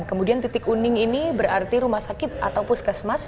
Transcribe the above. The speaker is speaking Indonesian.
kemudian titik uning ini berarti rumah sakit atau puskesmas